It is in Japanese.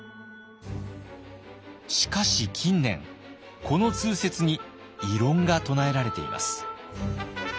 しかし近年この通説に異論が唱えられています。